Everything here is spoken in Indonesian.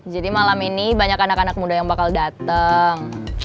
jadi malam ini banyak anak anak muda yang bakal dateng